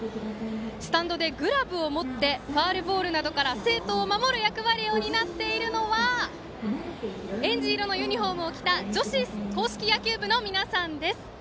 スタンドでグラブを持ってファウルボールから生徒を守る役割を担っているのがえんじ色のユニフォームを着た女子硬式野球部の皆さんです。